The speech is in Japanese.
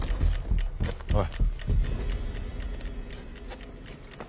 おい。